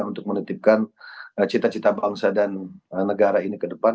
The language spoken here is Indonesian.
untuk menitipkan cita cita bangsa dan negara ini ke depan